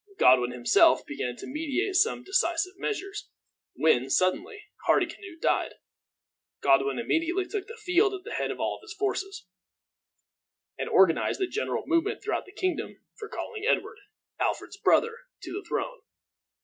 Godwin himself began to meditate some decisive measures, when, suddenly, Hardicanute died. Godwin immediately took the field at the head of all his forces, and organized a general movement throughout the kingdom for calling Edward, Alfred's brother, to the throne.